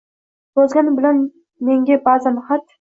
Yozgan bilan menga ba’zan xat?